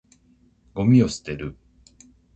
ゴミを捨てる。